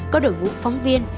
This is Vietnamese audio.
có đổi mũ phóng viên